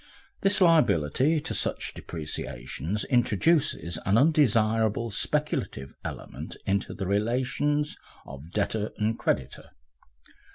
The liability to such depreciations introduces an undesirable speculative element into the relations of debtor and creditor.